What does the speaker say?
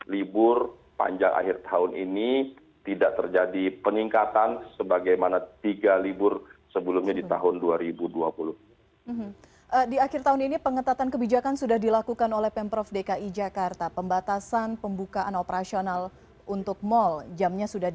lalu tergolong dari mas riza